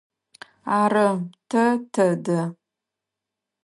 Ары, тэ тэдэ.